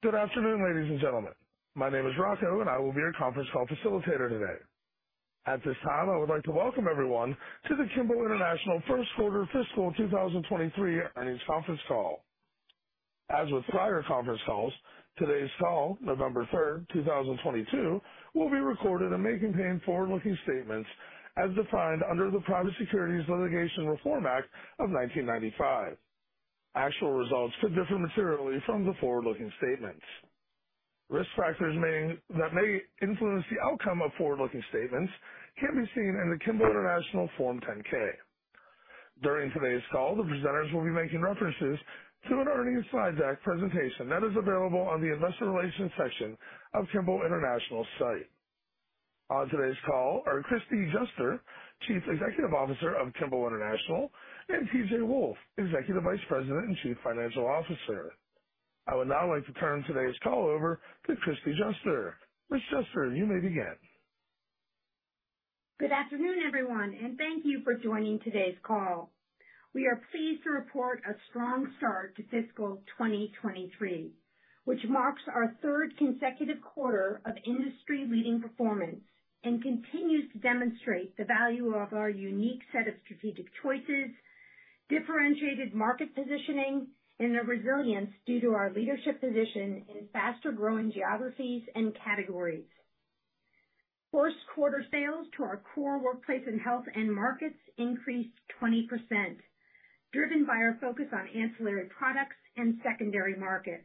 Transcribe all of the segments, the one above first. Good afternoon, ladies and gentlemen. My name is Rocco, and I will be your conference call facilitator today. At this time, I would like to welcome everyone to the Kimball International first quarter fiscal 2023 earnings conference call. As with prior conference calls, today's call, 3rd November 2022, will be recorded and may contain forward-looking statements as defined under the Private Securities Litigation Reform Act of 1995. Actual results could differ materially from the forward-looking statements. Risk factors that may influence the outcome of forward-looking statements can be seen in the Kimball International Form 10-K. During today's call, the presenters will be making references to an earnings slide deck presentation that is available on the investor relations section of Kimball International's site. On today's call are Kristie Juster, Chief Executive Officer of Kimball International, and T.J. Wolfe, Executive Vice President and Chief Financial Officer. I would now like to turn today's call over to Kristie Juster. Ms. Juster, you may begin. Good afternoon, everyone, and thank you for joining today's call. We are pleased to report a strong start to fiscal 2023, which marks our third consecutive quarter of industry-leading performance and continues to demonstrate the value of our unique set of strategic choices, differentiated market positioning, and the resilience due to our leadership position in faster-growing geographies and categories. First quarter sales to our core workplace and health end markets increased 20%, driven by our focus on ancillary products and secondary markets.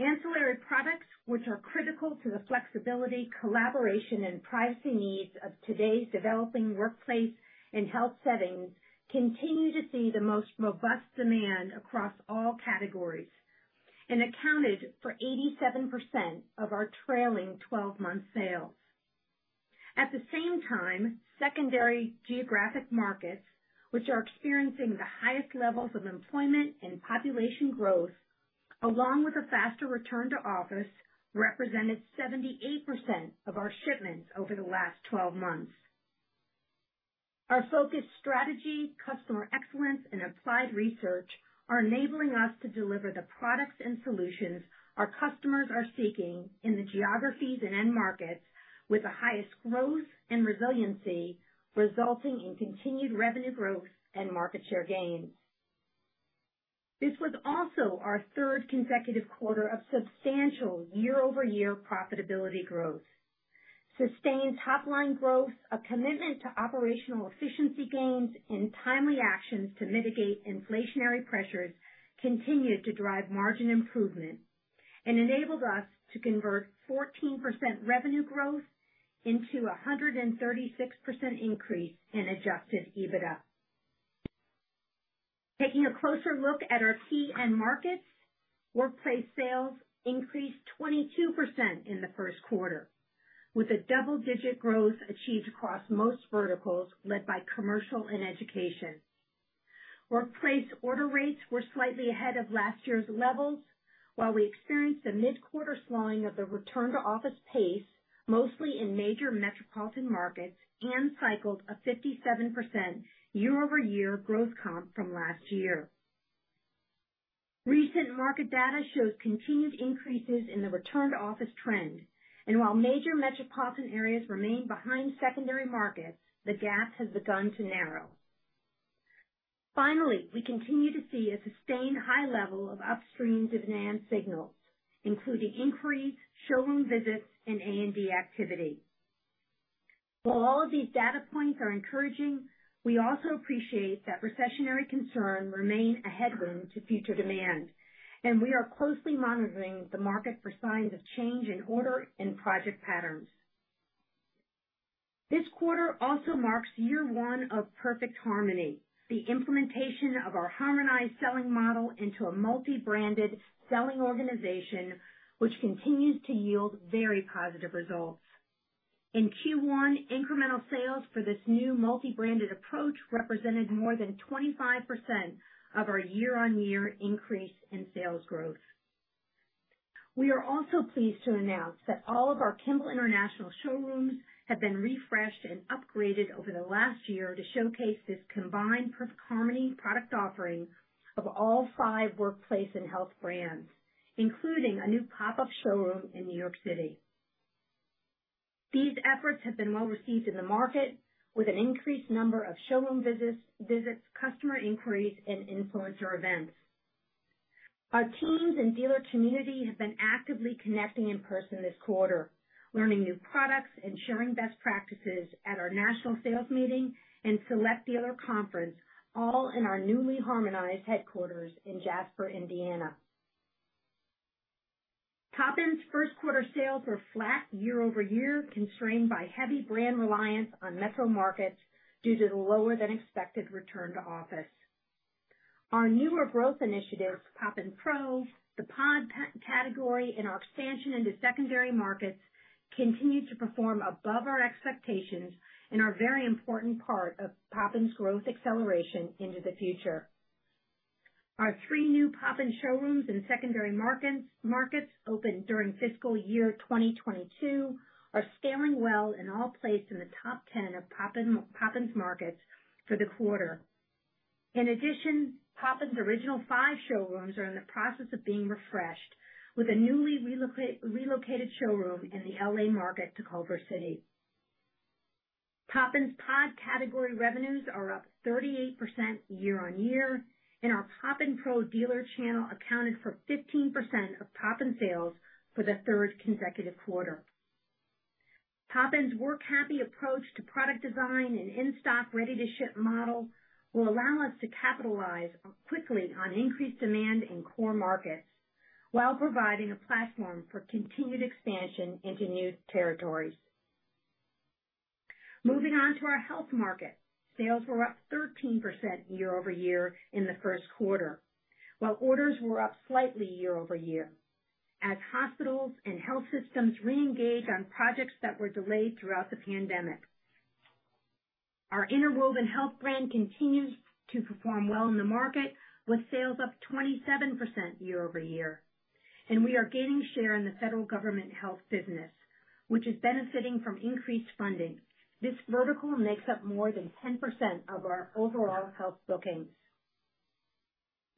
Ancillary products, which are critical to the flexibility, collaboration, and pricing needs of today's developing workplace and health settings, continue to see the most robust demand across all categories and accounted for 87% of our trailing 12-month sales. At the same time, secondary geographic markets, which are experiencing the highest levels of employment and population growth, along with a faster return to office, represented 78% of our shipments over the last 12 months. Our focused strategy, customer excellence, and applied research are enabling us to deliver the products and solutions our customers are seeking in the geographies and end markets with the highest growth and resiliency, resulting in continued revenue growth and market share gains. This was also our third consecutive quarter of substantial year-over-year profitability growth. Sustained top-line growth, a commitment to operational efficiency gains, and timely actions to mitigate inflationary pressures continued to drive margin improvement and enabled us to convert 14% revenue growth into a 136% increase in adjusted EBITDA. Taking a closer look at our key end markets, workplace sales increased 22% in the first quarter, with a double-digit growth achieved across most verticals, led by commercial and education. Workplace order rates were slightly ahead of last year's levels. While we experienced a mid-quarter slowing of the return-to-office pace, mostly in major metropolitan markets and cycled a 57% year-over-year growth comp from last year. Recent market data shows continued increases in the return-to-office trend, and while major metropolitan areas remain behind secondary markets, the gap has begun to narrow. Finally, we continue to see a sustained high level of upstream demand signals, including inquiries, showroom visits, and A&D activity. While all of these data points are encouraging, we also appreciate that recessionary concerns remain a headwind to future demand, and we are closely monitoring the market for signs of change in order and project patterns. This quarter also marks year one of Perfect Harmony, the implementation of our harmonized selling model into a multi-branded selling organization, which continues to yield very positive results. In Q1, incremental sales for this new multi-branded approach represented more than 25% of our year-on-year increase in sales growth. We are also pleased to announce that all of our Kimball International showrooms have been refreshed and upgraded over the last year to showcase this combined Perfect Harmony product offering of all five workplace and health brands, including a new pop-up showroom in New York City. These efforts have been well received in the market, with an increased number of showroom visits, customer inquiries, and influencer events. Our teams and dealer community have been actively connecting in person this quarter, learning new products, and sharing best practices at our national sales meeting and select dealer conference, all in our newly harmonized headquarters in Jasper, Indiana. Poppin's first quarter sales were flat year-over-year, constrained by heavy brand reliance on metro markets due to the lower-than-expected return to office. Our newer growth initiatives, Poppin Pro, the pod category, and our expansion into secondary markets, continue to perform above our expectations and are a very important part of Poppin's growth acceleration into the future. Our three new Poppin showrooms in secondary markets opened during fiscal year 2022 are scaling well and all placed in the top 10 of Poppin's markets for the quarter. In addition, Poppin's original five showrooms are in the process of being refreshed with a newly relocated showroom in the L.A. market to Culver City. Poppin's pod category revenues are up 38% year-on-year, and our Poppin Pro dealer channel accounted for 15% of Poppin sales for the third consecutive quarter. Poppin's work-happy approach to product design and in-stock, ready-to-ship model will allow us to capitalize quickly on increased demand in core markets while providing a platform for continued expansion into new territories. Moving on to our health market. Sales were up 13% year-over-year in the first quarter, while orders were up slightly year-over-year, as hospitals and health systems re-engage on projects that were delayed throughout the pandemic. Our Interwoven Health brand continues to perform well in the market, with sales up 27% year-over-year, and we are gaining share in the federal government health business, which is benefiting from increased funding. This vertical makes up more than 10% of our overall health bookings.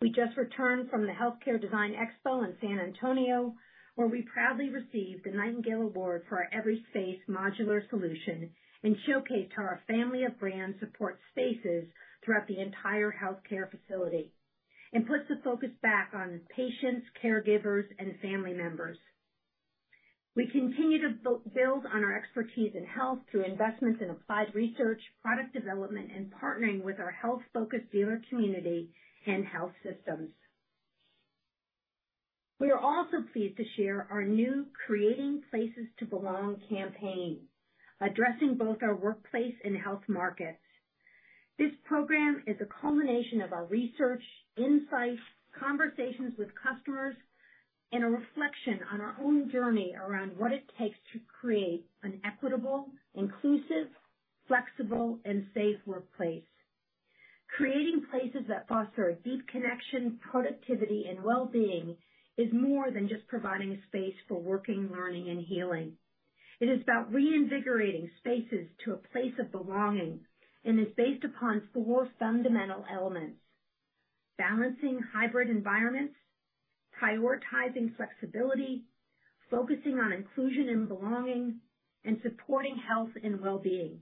We just returned from the Healthcare Design Expo in San Antonio, where we proudly received the Nightingale Award for our Everyspace Modular Solution and showcased how our family of brands support spaces throughout the entire healthcare facility and puts the focus back on patients, caregivers, and family members. We continue to build on our expertise in health through investments in applied research, product development, and partnering with our health-focused dealer community and health systems. We are also pleased to share our new Creating Places to Belong campaign, addressing both our workplace and health markets. This program is a culmination of our research, insights, conversations with customers, and a reflection on our own journey around what it takes to create an equitable, inclusive, flexible, and safe workplace. Creating places that foster a deep connection, productivity, and well-being is more than just providing space for working, learning, and healing. It is about reinvigorating spaces to a place of belonging and is based upon four fundamental elements, balancing hybrid environments, prioritizing flexibility, focusing on inclusion and belonging, and supporting health and well-being.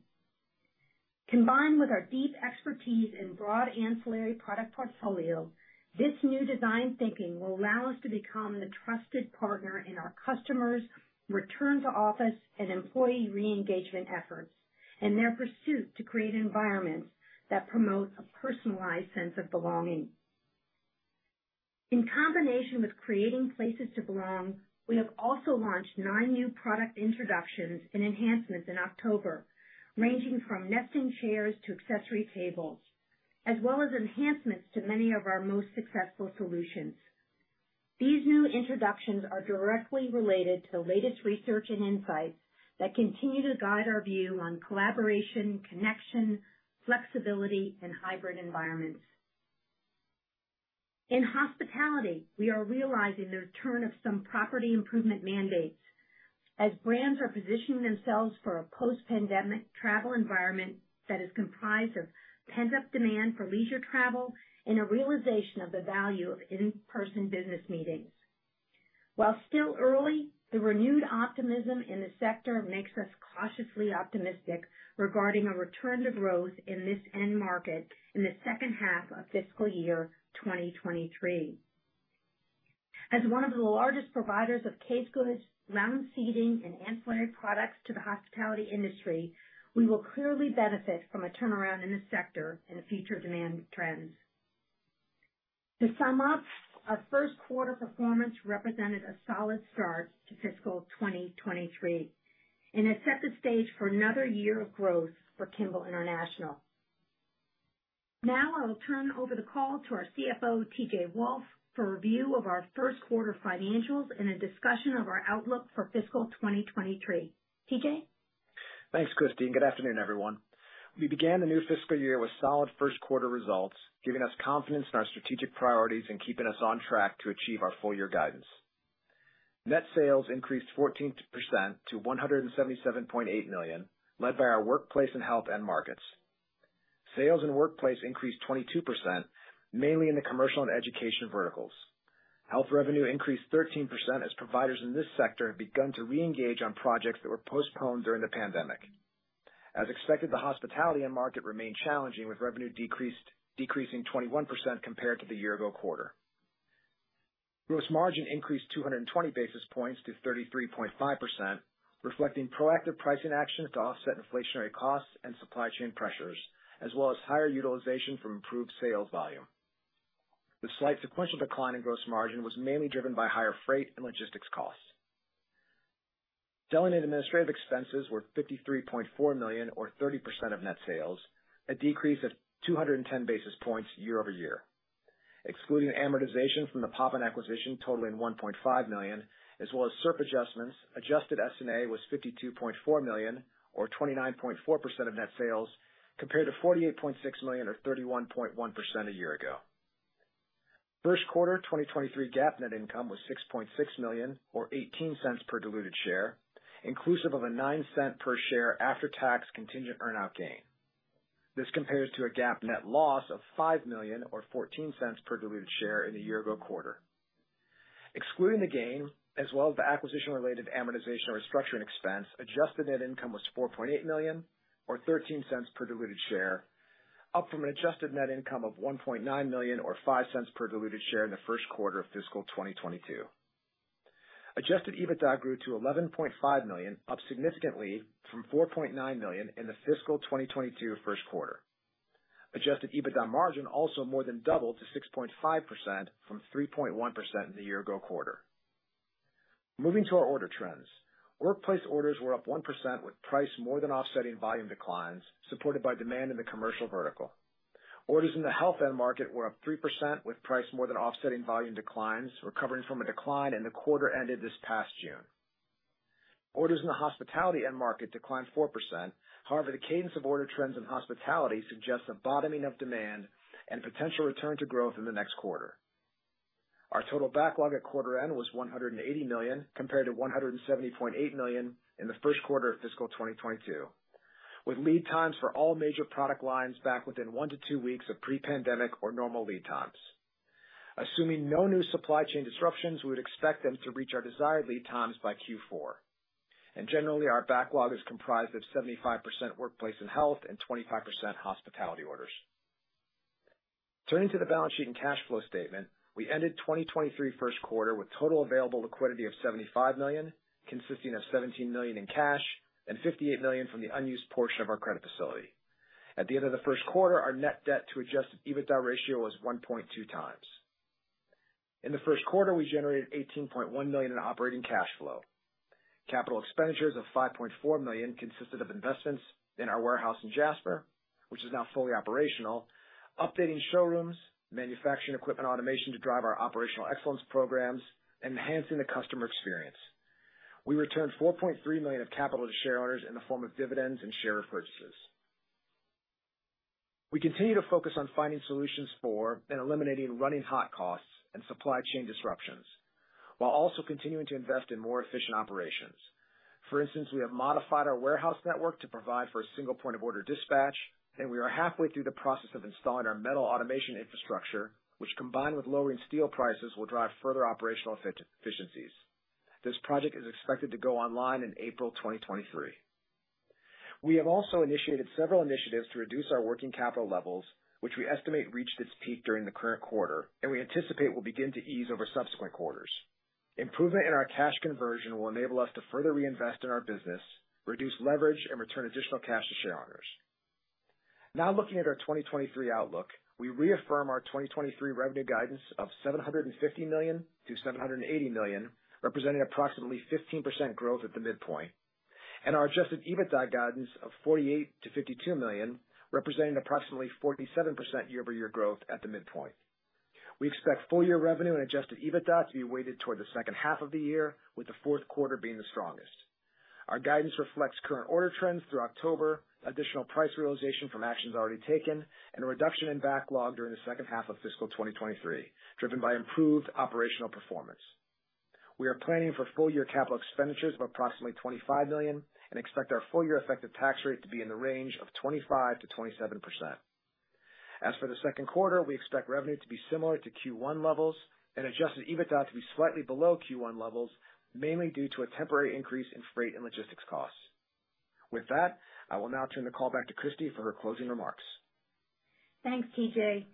Combined with our deep expertise in broad ancillary product portfolio, this new design thinking will allow us to become the trusted partner in our customers' return to office and employee re-engagement efforts, and their pursuit to create environments that promote a personalized sense of belonging. In combination with Creating Places to Belong, we have also launched nine new product introductions and enhancements in October, ranging from nesting chairs to accessory tables, as well as enhancements to many of our most successful solutions. These new introductions are directly related to the latest research and insights that continue to guide our view on collaboration, connection, flexibility, and hybrid environments. In hospitality, we are realizing the return of some property improvement mandates as brands are positioning themselves for a post-pandemic travel environment that is comprised of pent-up demand for leisure travel and a realization of the value of in-person business meetings. While still early, the renewed optimism in the sector makes us cautiously optimistic regarding a return to growth in this end market in the second half of fiscal year 2023. As one of the largest providers of case goods, lounge seating, and ancillary products to the hospitality industry, we will clearly benefit from a turnaround in this sector in the future demand trends. To sum up, our first quarter performance represented a solid start to fiscal 2023 and has set the stage for another year of growth for Kimball International. Now I will turn over the call to our CFO, T.J. Wolfe, for a review of our first quarter financials and a discussion of our outlook for fiscal 2023. T.J.? Thanks, Kristine. Good afternoon, everyone. We began the new fiscal year with solid first quarter results, giving us confidence in our strategic priorities and keeping us on track to achieve our full year guidance. Net sales increased 14% to $177.8 million, led by our workplace and health end markets. Sales in the workplace increased 22%, mainly in the commercial and education verticals. Health revenue increased 13% as providers in this sector have begun to re-engage on projects that were postponed during the pandemic. As expected, the hospitality end market remained challenging, with revenue decreasing 21% compared to the year ago quarter. Gross margin increased 220 basis points to 33.5%, reflecting proactive pricing actions to offset inflationary costs and supply chain pressures, as well as higher utilization from improved sales volume. The slight sequential decline in gross margin was mainly driven by higher freight and logistics costs. Selling and administrative expenses were $53.4 million or 30% of net sales, a decrease of 210 basis points year-over-year. Excluding amortization from the Poppin acquisition totaling $1.5 million, as well as SERP adjustments, adjusted S&A was $52.4 million or 29.4% of net sales, compared to $48.6 million or 31.1% a year ago. First quarter 2023 GAAP net income was $6.6 million, or $0.18 per diluted share, inclusive of a $0.09 per share after-tax contingent earn out gain. This compares to a GAAP net loss of $5 million or $0.14 per diluted share in the year ago quarter. Excluding the gain, as well as the acquisition-related amortization or restructuring expense, adjusted net income was $4.8 million or $0.13 per diluted share, up from an adjusted net income of $1.9 million or $0.05 per diluted share in the first quarter of fiscal 2022. Adjusted EBITDA grew to $11.5 million, up significantly from $4.9 million in the fiscal 2022 first quarter. Adjusted EBITDA margin also more than doubled to 6.5% from 3.1% in the year ago quarter. Moving to our order trends. Workplace orders were up 1% with price more than offsetting volume declines supported by demand in the commercial vertical. Orders in the health end market were up 3% with price more than offsetting volume declines recovering from a decline in the quarter ended this past June. Orders in the hospitality end market declined 4%. However, the cadence of order trends in hospitality suggests a bottoming of demand and potential return to growth in the next quarter. Our total backlog at quarter end was $180 million compared to $170.8 million in the first quarter of fiscal 2022, with lead times for all major product lines back within 1-2 weeks of pre-pandemic or normal lead times. Assuming no new supply chain disruptions, we would expect them to reach our desired lead times by Q4. Generally, our backlog is comprised of 75% workplace and health and 25% hospitality orders. Turning to the balance sheet and cash flow statement. We ended 2023 first quarter with total available liquidity of $75 million, consisting of $17 million in cash and $58 million from the unused portion of our credit facility. At the end of the first quarter, our net debt to adjusted EBITDA ratio was 1.2x. In the first quarter, we generated $18.1 million in operating cash flow. Capital expenditures of $5.4 million consisted of investments in our warehouse in Jasper, which is now fully operational, updating showrooms, manufacturing equipment automation to drive our operational excellence programs, enhancing the customer experience. We returned $4.3 million of capital to shareowners in the form of dividends and share repurchases. We continue to focus on finding solutions for and eliminating running hot costs and supply chain disruptions, while also continuing to invest in more efficient operations. For instance, we have modified our warehouse network to provide for a single point of order dispatch, and we are halfway through the process of installing our metal automation infrastructure, which combined with lowering steel prices, will drive further operational efficiencies. This project is expected to go online in April 2023. We have also initiated several initiatives to reduce our working capital levels, which we estimate reached its peak during the current quarter and we anticipate will begin to ease over subsequent quarters. Improvement in our cash conversion will enable us to further reinvest in our business, reduce leverage, and return additional cash to shareowners. Now looking at our 2023 outlook. We reaffirm our 2023 revenue guidance of $750 million-$780 million, representing approximately 15% growth at the midpoint, and our adjusted EBITDA guidance of $48 million-$52 million, representing approximately 47% year-over-year growth at the midpoint. We expect full year revenue and adjusted EBITDA to be weighted toward the second half of the year, with the fourth quarter being the strongest. Our guidance reflects current order trends through October, additional price realization from actions already taken, and a reduction in backlog during the second half of fiscal 2023, driven by improved operational performance. We are planning for full year capital expenditures of approximately $25 million and expect our full year effective tax rate to be in the range of 25%-27%. As for the second quarter, we expect revenue to be similar to Q1 levels and adjusted EBITDA to be slightly below Q1 levels, mainly due to a temporary increase in freight and logistics costs. With that, I will now turn the call back to Kristie for her closing remarks. Thanks, T.J.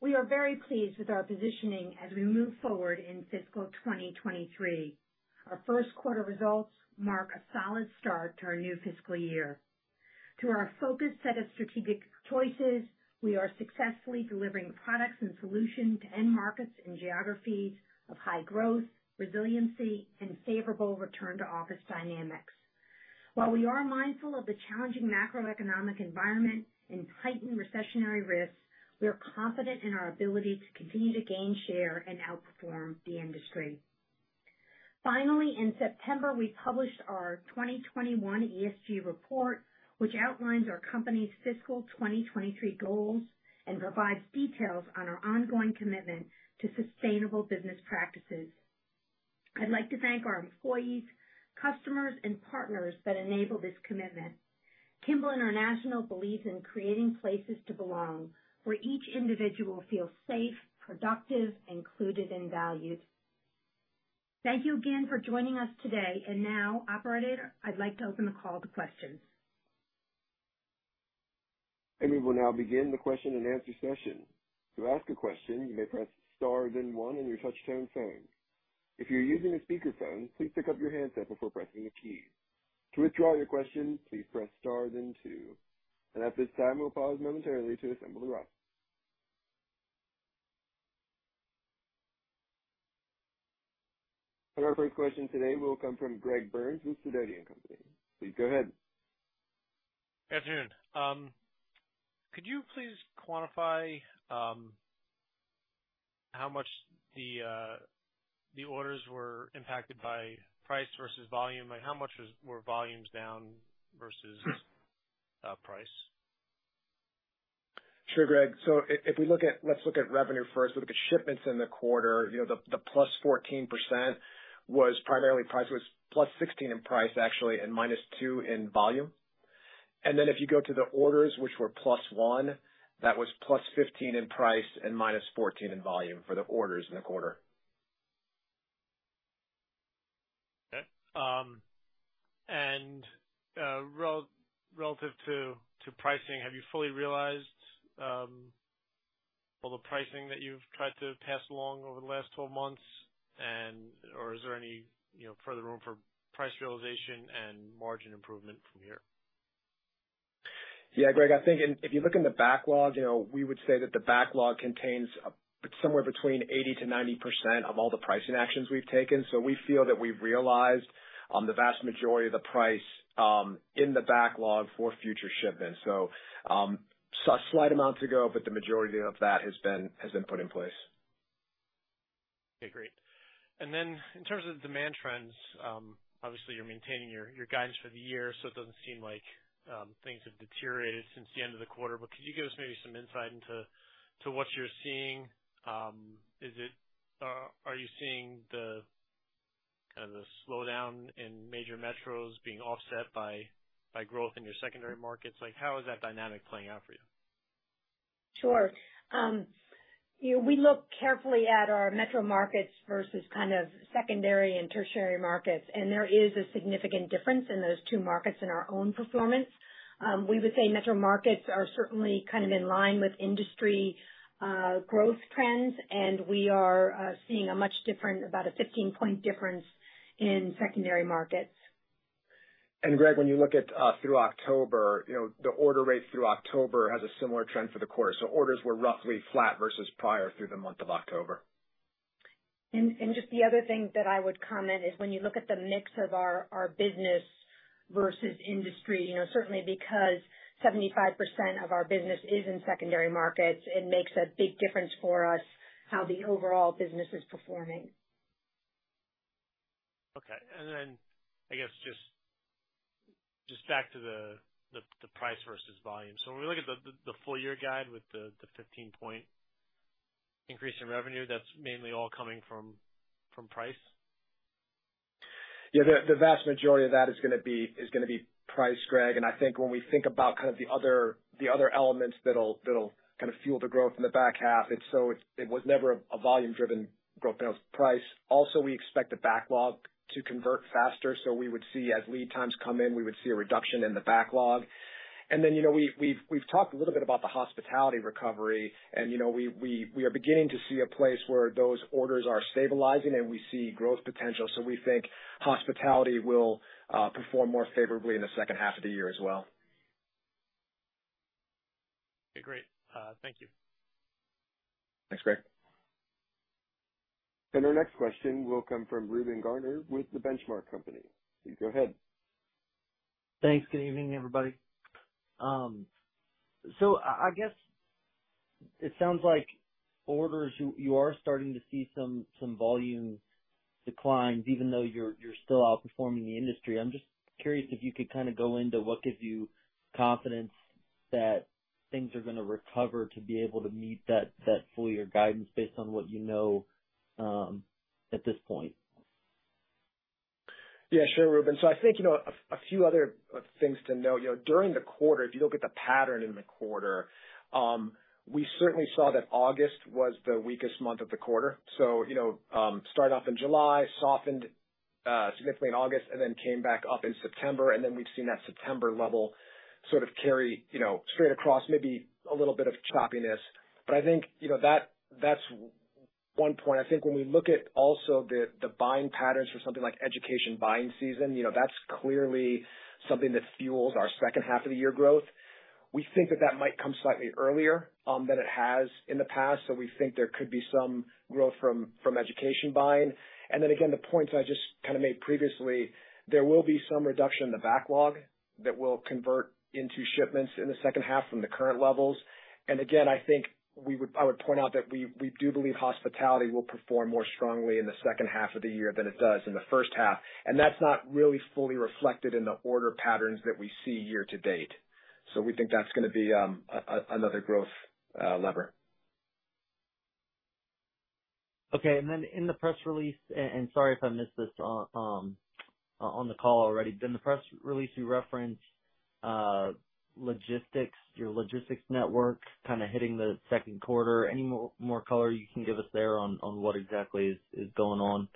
We are very pleased with our positioning as we move forward in fiscal 2023. Our first quarter results mark a solid start to our new fiscal year. Through our focused set of strategic choices, we are successfully delivering products and solutions to end markets and geographies of high growth, resiliency, and favorable return to office dynamics. While we are mindful of the challenging macroeconomic environment and heightened recessionary risks, we are confident in our ability to continue to gain share and outperform the industry. Finally, in September, we published our 2021 ESG report, which outlines our company's fiscal 2023 goals and provides details on our ongoing commitment to sustainable business practices. I'd like to thank our employees, customers, and partners that enable this commitment. Kimball International believes in Creating Places to Belong, where each individual feels safe, productive, included, and valued. Thank you again for joining us today. Now, operator, I'd like to open the call to questions. We will now begin the question and answer session. To ask a question, you may press star then one on your touch-tone phone. If you're using a speakerphone, please pick up your handset before pressing a key. To withdraw your question, please press star then two. At this time, we'll pause momentarily to assemble the questions. Our first question today will come from Greg Burns with Sidoti & Company. Please go ahead. Good afternoon. Could you please quantify how much the orders were impacted by price versus volume? Like, how much were volumes down versus price? Sure, Greg. If we look at let's look at revenue first. Look at shipments in the quarter. You know, the +14% was primarily price. It was +16% in price, actually, and -2% in volume. If you go to the orders, which were +1%, that was +15% in price and -14% in volume for the orders in the quarter. Relative to pricing, have you fully realized all the pricing that you've tried to pass along over the last twelve months, or is there any, you know, further room for price realization and margin improvement from here? Yeah, Greg, I think if you look in the backlog, you know, we would say that the backlog contains somewhere between 80%-90% of all the pricing actions we've taken. We feel that we've realized the vast majority of the pricing in the backlog for future shipments. Slight amounts to go, but the majority of that has been put in place. Okay, great. In terms of demand trends, obviously you're maintaining your guidance for the year, so it doesn't seem like things have deteriorated since the end of the quarter. Could you give us maybe some insight into what you're seeing? Are you seeing the kind of slowdown in major metros being offset by growth in your secondary markets? Like, how is that dynamic playing out for you? Sure. You know, we look carefully at our metro markets versus kind of secondary and tertiary markets, and there is a significant difference in those two markets in our own performance. We would say metro markets are certainly kind of in line with industry growth trends, and we are seeing a much different, about a 15-point difference in secondary markets. Greg, when you look at through October, you know, the order rate through October has a similar trend for the quarter. Orders were roughly flat versus prior through the month of October. Just the other thing that I would comment is when you look at the mix of our business versus industry, you know, certainly because 75% of our business is in secondary markets, it makes a big difference for us how the overall business is performing. Okay. Then I guess just back to the price versus volume. So when we look at the full year guide with the 15-point increase in revenue, that's mainly all coming from price? Yeah, the vast majority of that is gonna be price, Greg. I think when we think about kind of the other elements that'll kind of fuel the growth in the back half, it was never a volume driven growth, it was price. Also, we expect the backlog to convert faster. We would see as lead times come in, we would see a reduction in the backlog. Then, you know, we've talked a little bit about the hospitality recovery and, you know, we are beginning to see a place where those orders are stabilizing and we see growth potential. We think hospitality will perform more favorably in the second half of the year as well. Okay, great. Thank you. Thanks, Greg. Our next question will come from Reuben Garner with The Benchmark Company. Go ahead. Thanks. Good evening, everybody. I guess it sounds like orders, you are starting to see some volume declines even though you're still outperforming the industry. I'm just curious if you could kind of go into what gives you confidence that things are gonna recover to be able to meet that full year guidance based on what you know at this point. Yeah, sure, Reuben. I think, you know, a few other things to note. You know, during the quarter, if you look at the pattern in the quarter, we certainly saw that August was the weakest month of the quarter. You know, started off in July, softened significantly in August, and then came back up in September. Then we've seen that September level sort of carry, you know, straight across, maybe a little bit of choppiness. I think, you know, that's one point. I think when we look at also the buying patterns for something like education buying season, you know, that's clearly something that fuels our second half of the year growth. We think that that might come slightly earlier than it has in the past. We think there could be some growth from education buying. The points I just kind of made previously, there will be some reduction in the backlog that will convert into shipments in the second half from the current levels. Again, I think I would point out that we do believe hospitality will perform more strongly in the second half of the year than it does in the first half. That's not really fully reflected in the order patterns that we see year to date. We think that's gonna be another growth lever. Okay. In the press release, and sorry if I missed this, on the call already. In the press release, you referenced logistics, your logistics network kind of hitting the second quarter. Any more color you can give us there on what exactly is going on?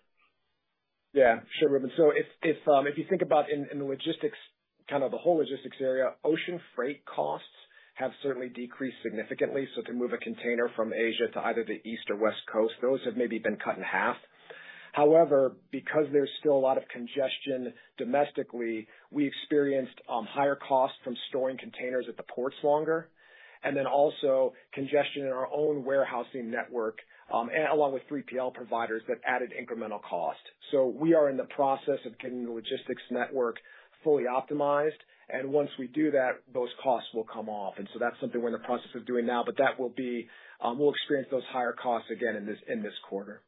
Yeah, sure, Reuben. If you think about in the logistics, kind of the whole logistics area, ocean freight costs have certainly decreased significantly. To move a container from Asia to either the East or West Coast, those have maybe been cut in half. However, because there's still a lot of congestion domestically, we experienced higher costs from storing containers at the ports longer, and then also congestion in our own warehousing network, along with 3PL providers that added incremental cost. We are in the process of getting the logistics network fully optimized, and once we do that, those costs will come off. That's something we're in the process of doing now, but we'll experience those higher costs again in this quarter.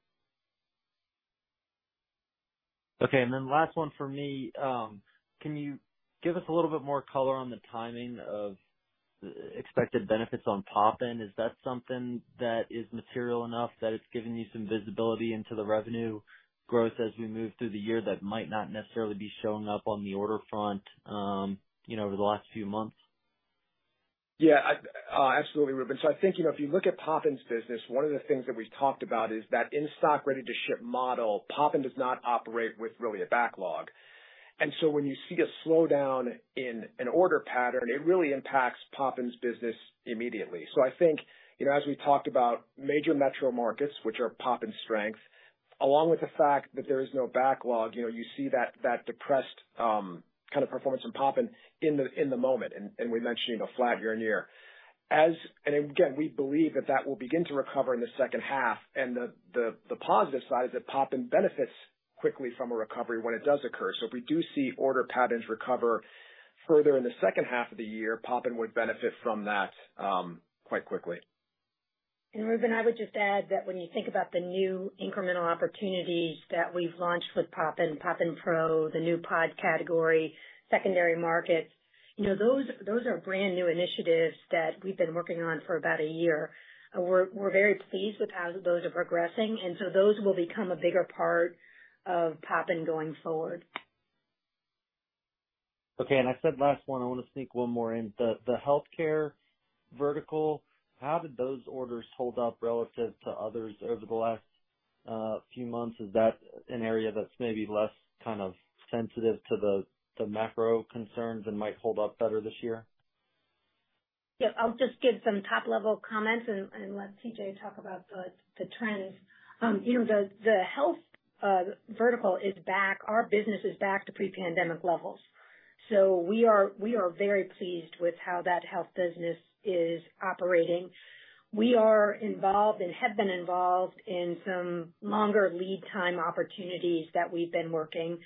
Okay. Last one for me. Can you give us a little bit more color on the timing of expected benefits on Poppin? Is that something that is material enough that it's giving you some visibility into the revenue growth as we move through the year that might not necessarily be showing up on the order front, you know, over the last few months? Yeah. Absolutely, Reuben. I think, you know, if you look at Poppin's business, one of the things that we've talked about is that in-stock, ready-to-ship model. Poppin does not operate with really a backlog. When you see a slowdown in an order pattern, it really impacts Poppin's business immediately. I think, you know, as we talked about major metro markets, which are Poppin's strength, along with the fact that there is no backlog, you know, you see that depressed kind of performance from Poppin in the moment. We mentioned, you know, flat year-over-year. Again, we believe that will begin to recover in the second half. The positive side is that Poppin benefits quickly from a recovery when it does occur. If we do see order patterns recover further in the second half of the year, Poppin would benefit from that, quite quickly. Reuben, I would just add that when you think about the new incremental opportunities that we've launched with Poppin Pro, the new pod category, secondary markets, you know, those are brand new initiatives that we've been working on for about a year. We're very pleased with how those are progressing, and so those will become a bigger part of Poppin going forward. Okay. I said last one, I wanna sneak one more in. The healthcare vertical, how did those orders hold up relative to others over the last few months? Is that an area that's maybe less kind of sensitive to the macro concerns and might hold up better this year? Yeah. I'll just give some top level comments and let T.J. talk about the trends. You know, the health vertical is back. Our business is back to pre-pandemic levels. We are very pleased with how that health business is operating. We are involved and have been involved in some longer lead time opportunities that we've been working.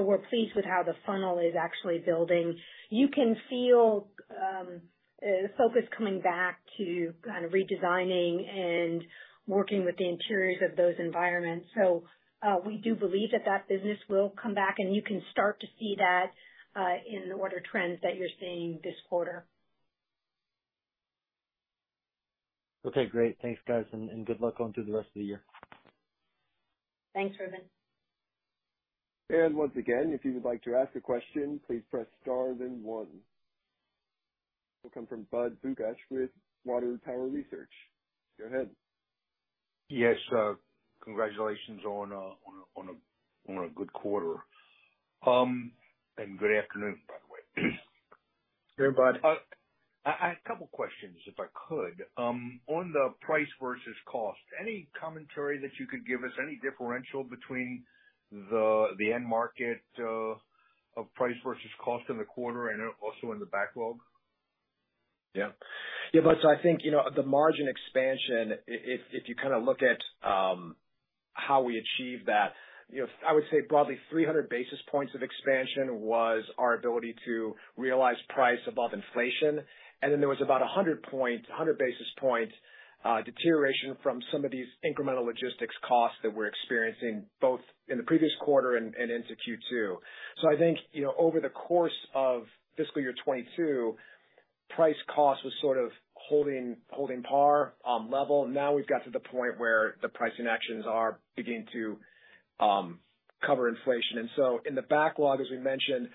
We're pleased with how the funnel is actually building. You can feel the focus coming back to kind of redesigning and working with the interiors of those environments. We do believe that business will come back and you can start to see that in the order trends that you're seeing this quarter. Okay, great. Thanks, guys, and good luck going through the rest of the year. Thanks, Reuben. Once again, if you would like to ask a question, please press star then one. It'll come from Budd Bugatch with Water Tower Research. Go ahead. Yes, congratulations on a good quarter. Good afternoon, by the way. Hey, Bud. I have a couple questions, if I could. On the price versus cost, any commentary that you could give us, any differential between the end market of price versus cost in the quarter and also in the backlog? Yeah. Yeah, Bud. I think, you know, the margin expansion, if you kinda look at how we achieve that, you know, I would say broadly 300 basis points of expansion was our ability to realize price above inflation. Then there was about a 100 basis point deterioration from some of these incremental logistics costs that we're experiencing, both in the previous quarter and into Q2. I think, you know, over the course of fiscal year 2022, price cost was sort of holding par level. Now we've got to the point where the pricing actions are beginning to cover inflation. In the backlog, as we mentioned,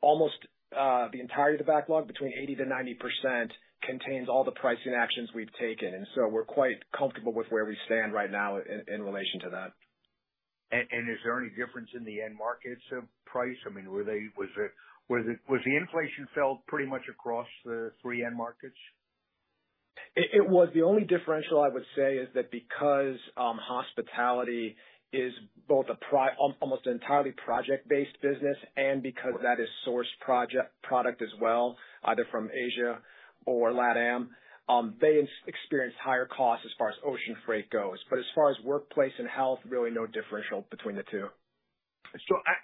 almost the entirety of the backlog, between 80%-90% contains all the pricing actions we've taken, and so we're quite comfortable with where we stand right now in relation to that. Is there any difference in the end markets price? I mean, was the inflation felt pretty much across the three end markets? It was. The only differential I would say is that because hospitality is both almost entirely project-based business, and because that is sourced product as well, either from Asia or LATAM, they experience higher costs as far as ocean freight goes. As far as workplace and health, really no differential between the two.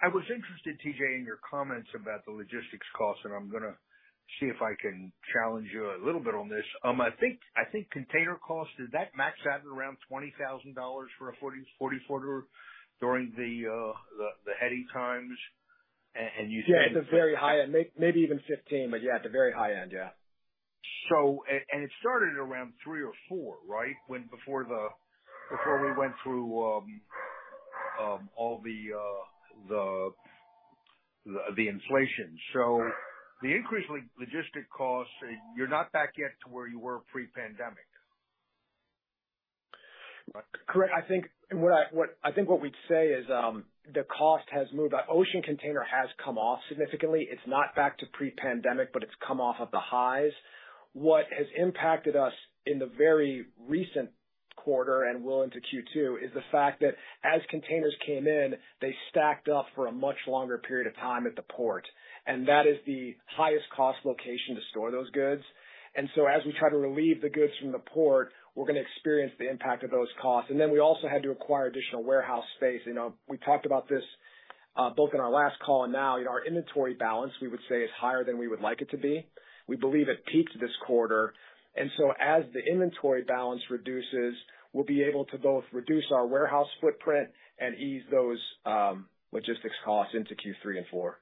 I was interested, T.J., in your comments about the logistics cost, and I'm gonna see if I can challenge you a little bit on this. I think container costs did that max out at around $20,000 for a 40-footer during the heady times? You said- Yeah, at the very high end. Maybe even 15, but yeah, at the very high end. Yeah. It started around three or four, right? Before we went through all the inflation. The increase in logistics costs, you're not back yet to where you were pre-pandemic. Correct. I think what we'd say is, the cost has moved. Ocean container has come off significantly. It's not back to pre-pandemic, but it's come off of the highs. What has impacted us in the very recent quarter, and will into Q2, is the fact that as containers came in, they stacked up for a much longer period of time at the port, and that is the highest cost location to store those goods. As we try to relieve the goods from the port, we're gonna experience the impact of those costs. We also had to acquire additional warehouse space. We talked about this both on our last call and now, our inventory balance, we would say is higher than we would like it to be. We believe it peaked this quarter. As the inventory balance reduces, we'll be able to both reduce our warehouse footprint and ease those logistics costs into Q3 and Q4.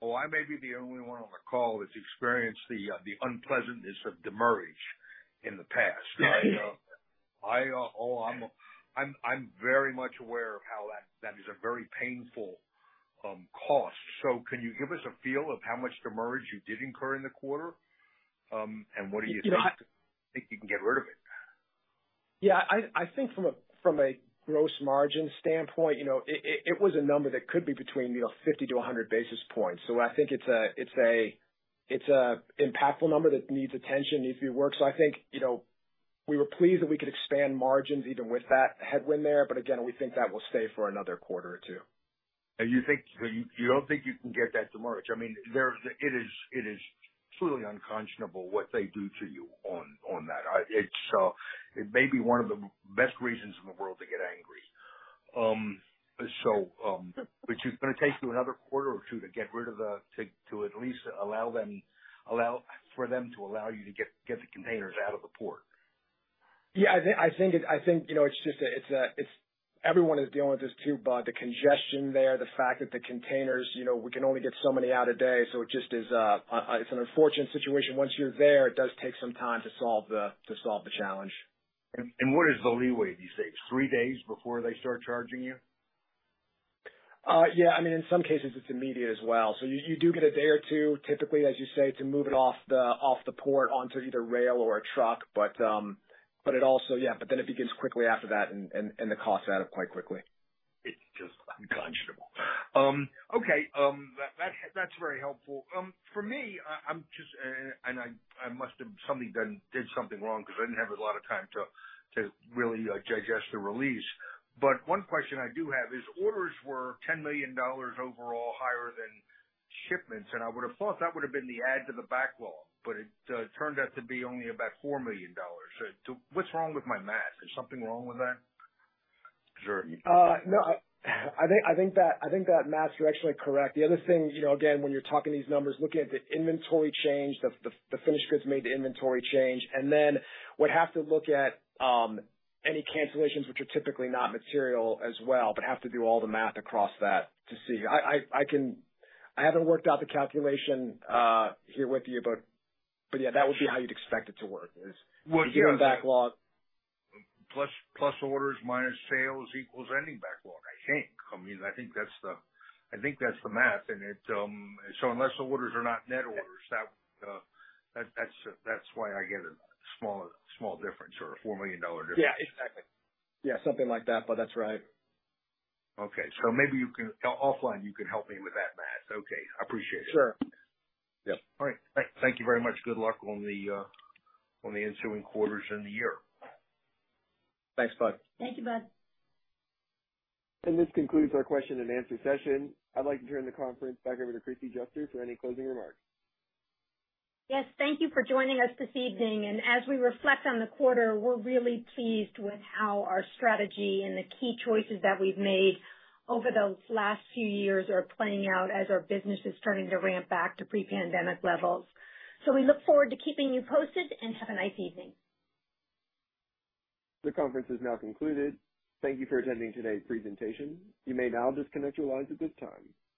Well, I may be the only one on the call that's experienced the unpleasantness of demurrage in the past. Oh, I'm very much aware of how that is a very painful cost. Can you give us a feel of how much demurrage you did incur in the quarter? What do you think- You know, Think you can get rid of it? Yeah. I think from a gross margin standpoint, you know, it was a number that could be between 50-100 basis points. I think it's an impactful number that needs attention, needs to be worked. I think, you know, we were pleased that we could expand margins even with that headwind there. We think that will stay for another quarter or two. You don't think you can get that demurrage. I mean, it is truly unconscionable what they do to you on that. It may be one of the best reasons in the world to get angry. You're gonna take through another quarter or two to get rid of, to at least allow for them to allow you to get the containers out of the port. Yeah, I think, you know, it's just a, it's everyone is dealing with this too, Bud. The congestion there, the fact that the containers, you know, we can only get so many out a day. It just is, it's an unfortunate situation. Once you're there, it does take some time to solve the challenge. What is the leeway? Do you say it's three days before they start charging you? Yeah. I mean, in some cases it's immediate as well. You do get a day or two, typically, as you say, to move it off the port onto either rail or a truck. Then it begins quickly after that and the costs add up quite quickly. It's just unconscionable. Okay. That's very helpful. For me, I'm just, and I must have somebody done did something wrong because I didn't have a lot of time to really digest the release. One question I do have is, orders were $10 million overall higher than shipments, and I would have thought that would have been the add to the backlog, but it turned out to be only about $4 million. What's wrong with my math? Is something wrong with that? Is there- No. I think that math's directionally correct. The other thing, you know, again, when you're talking these numbers, looking at the inventory change, the finished goods made to inventory change, and then would have to look at any cancellations which are typically not material as well, but have to do all the math across that to see. I haven't worked out the calculation here with you, but yeah, that would be how you'd expect it to work. Well. The given backlog. Plus orders minus sales equals ending backlog, I think. I mean, I think that's the math and it. Unless the orders are not net orders, that's why I get a small difference or a $4 million difference. Yeah, exactly. Yeah, something like that. That's right. Okay. Offline, you can help me with that math. Okay, I appreciate it. Sure. Yep. All right. Thank you very much. Good luck on the ensuing quarters and the year. Thanks, Bud. Thank you, Budd. This concludes our question and answer session. I'd like to turn the conference back over to Kristie Juster for any closing remarks. Yes, thank you for joining us this evening. As we reflect on the quarter, we're really pleased with how our strategy and the key choices that we've made over the last few years are playing out as our business is starting to ramp back to pre-pandemic levels. We look forward to keeping you posted and have a nice evening. The conference is now concluded. Thank you for attending today's presentation. You may now disconnect your lines at this time.